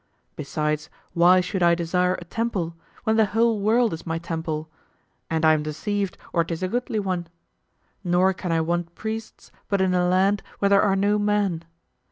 Besides why should I desire a temple when the whole world is my temple, and I'm deceived or 'tis a goodly one? Nor can I want priests but in a land where there are no men.